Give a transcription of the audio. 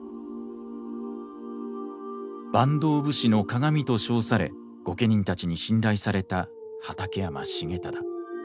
坂東武士の鑑と称され御家人たちに信頼された畠山重忠。